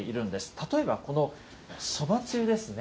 例えばこのそばつゆですね。